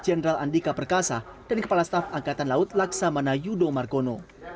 jenderal andika perkasa dan kepala staf angkatan laut laksamana yudo margono